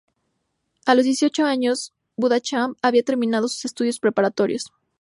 A los dieciocho años, Beauchamp había terminado sus estudios preparatorios.